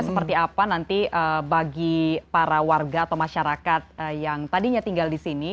seperti apa nanti bagi para warga atau masyarakat yang tadinya tinggal di sini